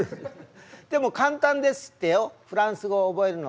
でも簡単ですってよフランス語を覚えるの。